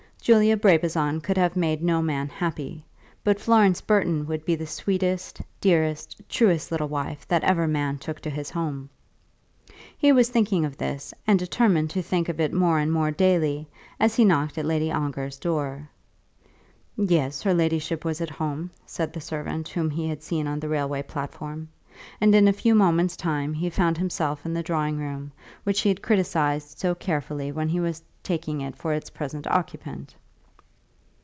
Julia Brabazon could have made no man happy, but Florence Burton would be the sweetest, dearest, truest little wife that ever man took to his home. He was thinking of this, and determined to think of it more and more daily, as he knocked at Lady Ongar's door. "Yes; her ladyship was at home," said the servant whom he had seen on the railway platform; and in a few moments' time he found himself in the drawing room which he had criticized so carefully when he was taking it for its present occupant.